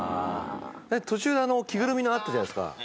途中で着ぐるみのあったじゃないですか